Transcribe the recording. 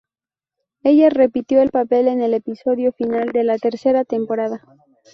Ella repitió el papel en el episodio final de la tercera temporada.